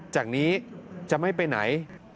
จากนี้จะไม่ไปไหน